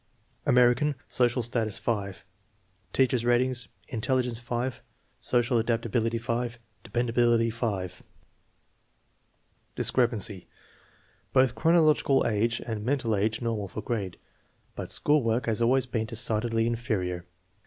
American, social status 5. MENTAL AGE STANDABD FOB GRADING 103 Teacher's ratings: intelligence 5, social adaptability 5, de pendability 5. Discrepancy: Both chronological age and mental age normal for grade, but school work has always been decidedly inferior.